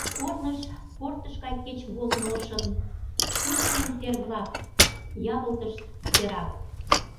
Корныш портыш гай кеч возын ошын, шӱдӧ дене тер-влак ягылтышт эрак.